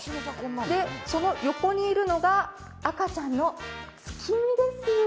その横にいるのが赤ちゃんのつきみです。